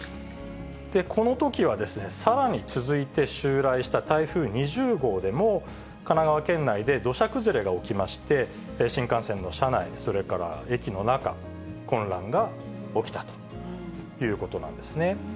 このときは、さらに続いて襲来した台風２０号でも、神奈川県内で土砂崩れが起きまして、新幹線の車内、それから駅の中、混乱が起きたということなんですね。